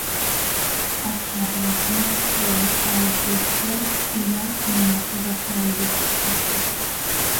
ათაბაგმა ქაიხოსრომ ირანს მიმართა დახმარებისათვის.